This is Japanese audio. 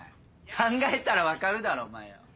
考えたら分かるだろお前よ！